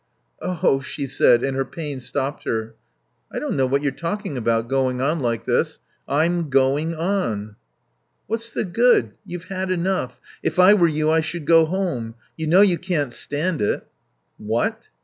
"Oh " she said, and her pain stopped her. "I don't know what you're talking about 'going on like this.' I'm going on." "What's the good? You've had enough. If I were you I should go home. You know you can't stand it." "What?